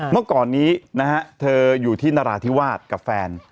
เมื่อก่อนนี้นะฮะเธออยู่ที่นราธิวาสกับแฟน